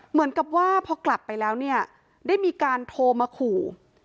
เหมือนกับว่าพอกลับไปแล้วเนี่ยได้มีการโทรมาขู่